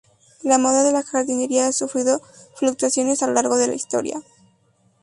La moda de la jardinería ha sufrido fluctuaciones a lo largo de la historia.